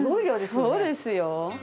そうですよ。